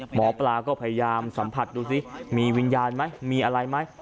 หมอปลาก็พยายามสัมผัสดูสิมีวิญญาณไหมมีอะไรไหม